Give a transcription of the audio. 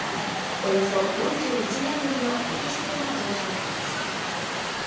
およそ４１年ぶりの歴史的な上昇幅です。